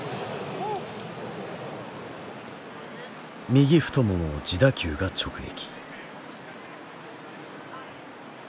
右太ももを自打球が直撃。